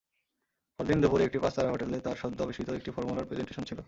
পরদিন দুপুরে একটি পাঁচতারা হোটেলে তার সদ্য আবিষ্কৃত একটি ফর্মুলার প্রেজেন্টেশন ছিল।